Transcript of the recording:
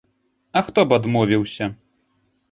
А хто б адмовіўся?